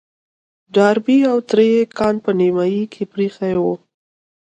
ډاربي او تره يې کان په نيمايي کې پرېيښی و.